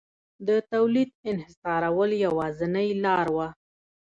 د تولید انحصارول یوازینۍ لار وه